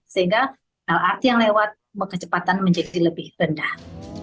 sehingga lrt yang lewat kecepatan menjadi lebih rendah